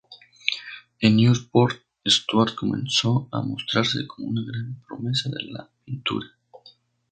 En Newport, Stuart comenzó a mostrarse como una gran promesa de la pintura.